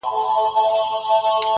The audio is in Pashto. o هغه چي اوس زما په مخه راسي مخ اړوي ,